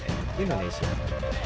tim lekutan cnn